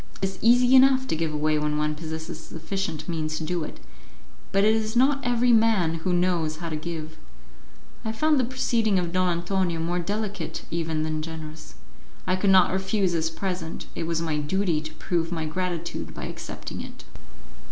It is easy enough to give away when one possesses sufficient means to do it, but it is not every man who knows how to give. I found the proceeding of Don Antonio more delicate even than generous; I could not refuse his present; it was my duty to prove my gratitude by accepting it.